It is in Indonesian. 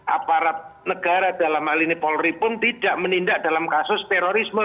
aparat negara dalam hal ini polri pun tidak menindak dalam kasus terorisme